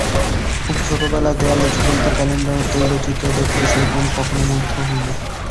খুব ছোটবেলায় দেয়ালে ঝুলন্ত ক্যালেন্ডারের তৈলচিত্র দেখলেও সেরকম মুগ্ধ কখনো হইনি।